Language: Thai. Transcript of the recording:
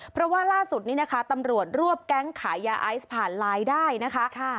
เพราะว่าล่าสุดนี้นะคะตำรวจรวบแก๊งขายยาไอซ์ผ่านไลน์ได้นะคะ